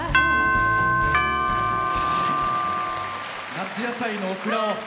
夏野菜のオクラを。